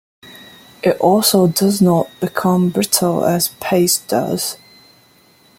It also does not become brittle as paste does.